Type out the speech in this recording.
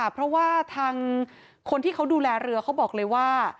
เพราะว่าทางคนที่เขาดูแลเรือเขาบอกเลยว่า